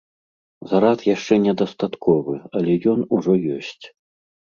Зарад яшчэ не дастатковы, але ён ужо ёсць.